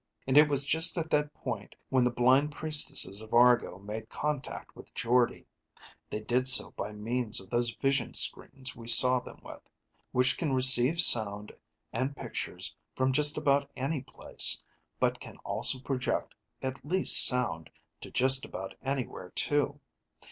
And it was just at that point when the blind priestesses of Argo made contact with Jordde. They did so by means of those vision screens we saw them with, which can receive sound and pictures from just about any place, but can also project, at least sound, to just about anywhere too.